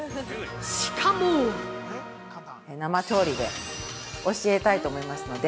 しかも◆生調理で教えたいと思いますので。